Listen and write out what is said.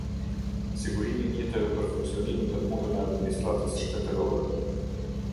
Sigurimi i mjeteve për funksionimin dhe punën e administratës shtetërore.